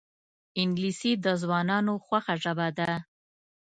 انګلیسي د ځوانانو خوښه ژبه ده